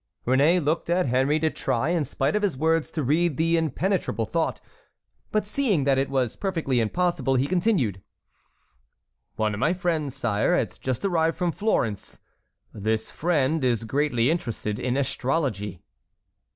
Réné looked at Henry to try, in spite of his words, to read the impenetrable thought; but seeing that it was perfectly impossible, he continued: "One of my friends, sire, has just arrived from Florence. This friend is greatly interested in astrology."